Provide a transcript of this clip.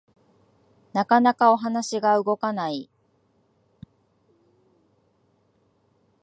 なかなかお話が動かない